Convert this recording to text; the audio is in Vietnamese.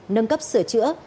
nâng cấp sửa chữa